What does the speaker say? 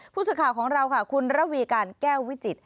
ผู้สื่อข่าวของเราค่ะคุณระวีการแก้ววิจิตร